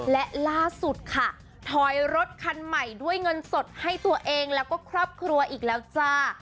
และล่าสุดค่ะถอยรถคันใหม่ด้วยเงินสดให้ตัวเองแล้วก็ครอบครัวอีกแล้วจ้า